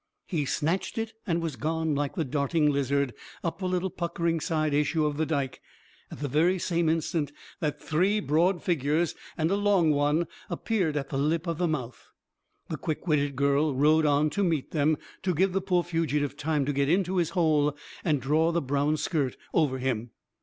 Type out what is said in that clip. He snatched it, and was gone, like the darting lizard, up a little puckering side issue of the Dike, at the very same instant that three broad figures and a long one appeared at the lip of the mouth. The quick witted girl rode on to meet them, to give the poor fugitive time to get into his hole and draw the brown skirt over him.